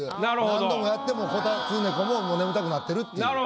何度もやってこたつ猫ももう眠たくなってるっていう。